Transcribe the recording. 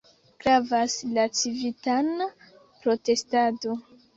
Gravas la civitana protestado.